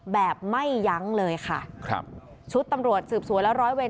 แบบไม่ยั้งเลยค่ะครับชุดตำรวจสืบสวนและร้อยเวร